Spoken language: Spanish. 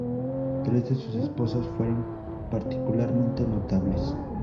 Tres de sus esposas fueron particularmente notables.